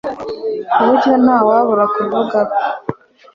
ku buryo ntawabura kuvuga ko